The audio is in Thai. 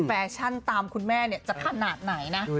แฟชั่นตามคุณแม่จะขนาดไหนนะ